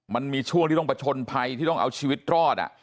มันมีช่วงที่ต้องประชนภัยที่ต้องเอาชีวิตรอด